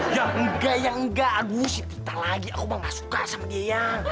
ya enggak ya enggak agusin tita lagi aku mah gak suka sama dia yang